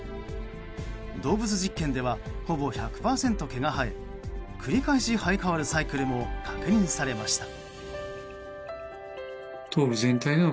動物実験ではほぼ１００％毛が生え繰り返し生え変わるサイクルも確認されました。